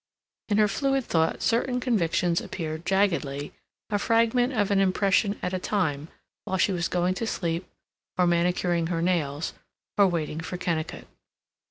In her fluid thought certain convictions appeared, jaggedly, a fragment of an impression at a time, while she was going to sleep, or manicuring her nails, or waiting for Kennicott.